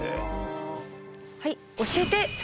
はい。